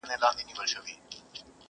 د میني ترانې وایی پخپل لطیفه ژبه..